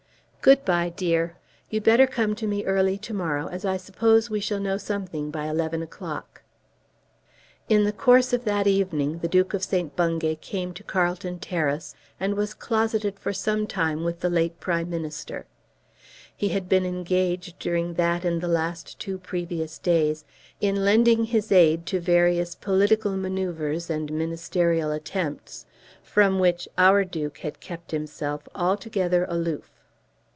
Good bye, dear. You'd better come to me early to morrow, as I suppose we shall know something by eleven o'clock." In the course of that evening the Duke of St. Bungay came to Carlton Terrace and was closeted for some time with the late Prime Minister. He had been engaged during that and the last two previous days in lending his aid to various political manoeuvres and ministerial attempts, from which our Duke had kept himself altogether aloof.